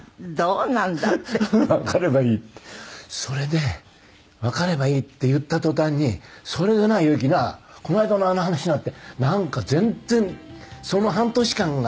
それで「わかればいい」って言った途端に「それでな祐樹なこの間のあの話な」ってなんか全然その半年間が全く。なかったみたい。